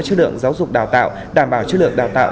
chất lượng giáo dục đào tạo đảm bảo chất lượng đào tạo